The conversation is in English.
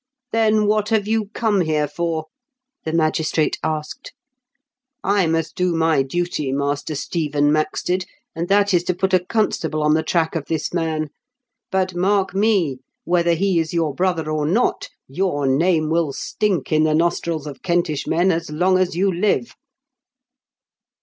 "Then what have you come here for?" the magistrate asked. " I must do my duty. Master Stephen Maxted, and that is to put a constable on the track of this man ; but, mark me, whether he is your brother or not, your name will stink in the nostrils of Kentish men as long as you live."